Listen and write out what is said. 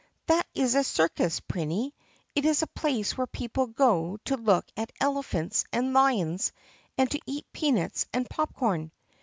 "That is a circus, Prinny. It is a place where people go to look at elephants and lions and to eat peanuts and popcorn."